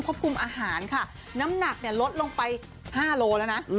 ควบคุมอาหารค่ะน้ำหนักลดลงไป๕โลกรัมแล้วนะ